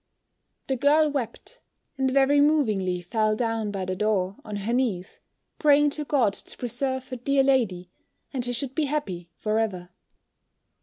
The girl wept, and very movingly fell down by the door, on her knees, praying to God to preserve her dear lady, and she should be happy for ever!